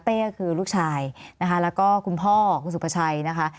คือลูกชายนะคะแล้วก็คุณพ่อคุณสุภาชัยนะคะ